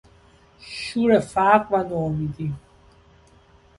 شور فقر و نومیدی